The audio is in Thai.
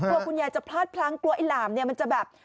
กลัวคุณยายจะพลาดพลั้งกลัวไอ้หลามเนี่ยมันจะแบบ